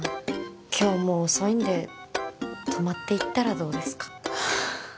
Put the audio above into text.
今日もう遅いんで泊まっていったらどうですか？